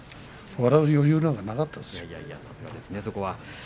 笑う余裕なんかなかったですよ。